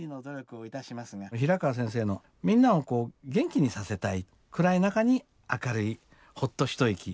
平川先生のみんなを元気にさせたい暗い中に明るいほっと一息を届けるようなね